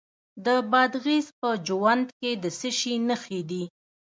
د بادغیس په جوند کې د څه شي نښې دي؟